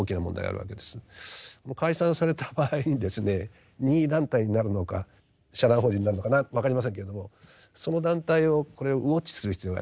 もう解散された場合にですね任意団体になるのか社団法人になるのかな分かりませんけれどもその団体をこれをウォッチする必要があります。